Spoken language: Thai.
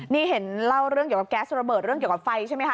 นี่เห็นเล่าเรื่องเกี่ยวกับแก๊สระเบิดเรื่องเกี่ยวกับไฟใช่ไหมคะ